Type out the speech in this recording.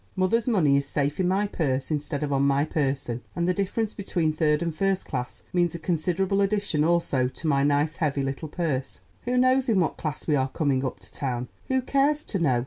Mother's money is safe in my purse instead of on my person, and the difference between third and first class means a considerable addition also to my nice, heavy little purse. Who knows in what class we are coming up to town? Who cares to know?